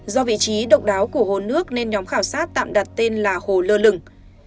do vị trí độc đáo của hồ nước nên nhóm khảo sát tạm đặt tên là hồ lơ lửng